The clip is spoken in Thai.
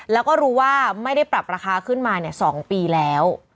แล้วก็รู้ว่าไม่ได้ปรับราคาขึ้นมา๒ปีแล้ว